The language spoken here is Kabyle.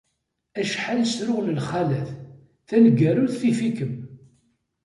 Acḥal sruɣ n lxalat, taneggarut tif-ikem.